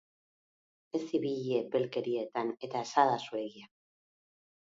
Ez ibili epelkerietan eta esadazu egia!